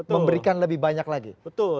memberikan lebih banyak lagi